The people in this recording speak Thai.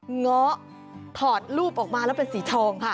เงาะถอดรูปออกมาแล้วเป็นสีทองค่ะ